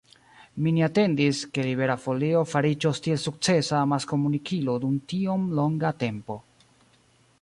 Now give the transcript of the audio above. Mi ne atendis, ke Libera Folio fariĝos tiel sukcesa amaskomunikilo dum tiom longa tempo.